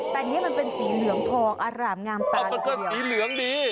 แต่นี้มันเป็นสีเหลืองทองอารามงามตาลอยู่ทีเดียว